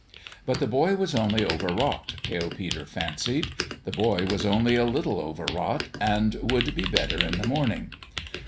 But the boy was only overwrought, Pale Peter fancied : the boy was only a little overwrought, and would be better in the morn ing.